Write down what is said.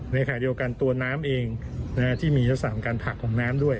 ในคาดีโอกาสตัวน้ำเองที่มียศสามการผลักของน้ำด้วย